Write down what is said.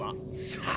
さあ？